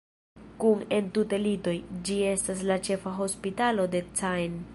Kun entute litoj, ĝi estas la ĉefa hospitalo de Caen.